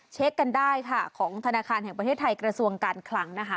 เช็คกันได้ค่ะของธนาคารแห่งประเทศไทยกระทรวงการคลังนะคะ